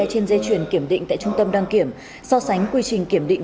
trên dây chuyển kiểm định tại trung tâm đăng kiểm so sánh quy trình kiểm định